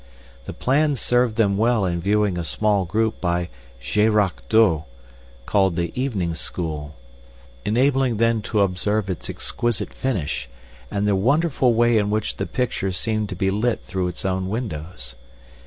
The plan served them well in viewing a small group by Gerard Douw, called the "Evening School," enabling them to observe its exquisite finish and the wonderful way in which the picture seemed to be lit through its own windows.